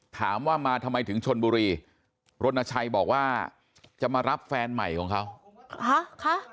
ถามว่ามาทำไมถึงชนบุรีรณชัยบอกว่าจะมารับแฟนใหม่ของเขาฮะค่ะ